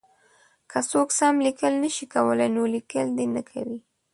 که څوک سم لیکل نه شي کولای نو لیکل دې نه کوي.